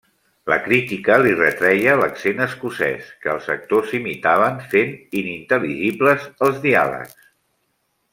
La crítica li retreia l'accent escocès que els actors imitaven, fent inintel·ligibles els diàlegs.